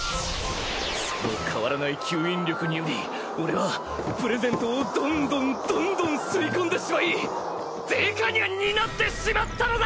その変わらない吸引力により俺はプレゼントをどんどんどんどん吸い込んでしまいデカニャンになってしまったのだ！